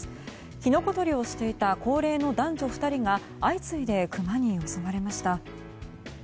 キノコ採りをしていた高齢の男女２人が相次いでクマに襲われました。